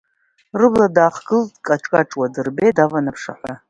Рыбла даахгылт дкаҿкаҿуа, дырбеит даван аԥшаҳәа.